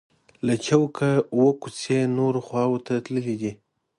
له چوکه اووه کوڅې نورو خواو ته تللي دي.